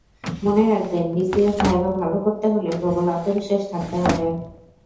মনে রাখবেন, BCS viva ভালো করতে হলে প্রবল আত্মবিশ্বাস থাকতে হবে।